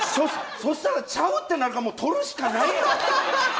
そしたら、ちゃうって何か取るしかないよ。